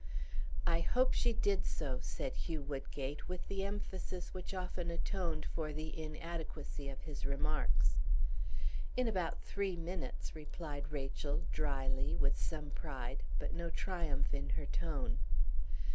"I hope she did so," said Hugh Woodgate, with the emphasis which often atoned for the inadequacy of his remarks. "In about three minutes," replied Rachel, dryly, with some pride, but no triumph in her tone.